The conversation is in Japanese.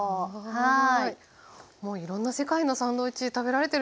はい。